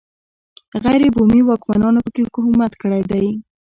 غیر بومي واکمنانو په کې حکومت کړی دی.